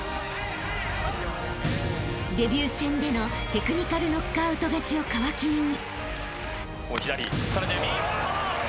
［デビュー戦でのテクニカルノックアウト勝ちを皮切りに］